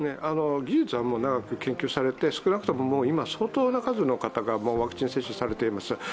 技術はもう長く研究されて、相当の数の方がワクチン接種されています。